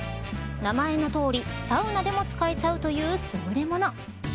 名前のとおり、サウナでも使えちゃうというすぐれもの。